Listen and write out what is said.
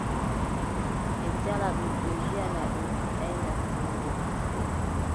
Ɓe njaalaay ɗum ɓe mbiʼa naa ɗum heʼaay nastingo goɗɗo.